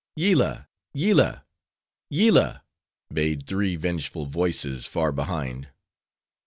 "Yillah! Yillah! Yillah!" bayed three vengeful voices far behind.